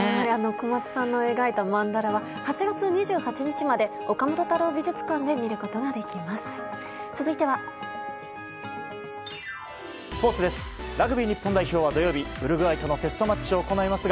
小松さんの描いたマンダラは８月２８日まで岡本太郎美術館で見ることができます。